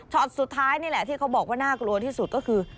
สุดท้ายนี่แหละที่เขาบอกว่าน่ากลัวที่สุดก็คือ